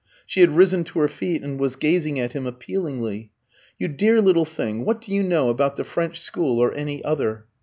She had risen to her feet, and was gazing at him appealingly. "You dear little thing, what do you know about the French school or any other?"